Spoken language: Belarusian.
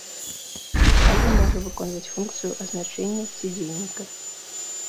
У сказе можа выконваць функцыю азначэння ці дзейніка.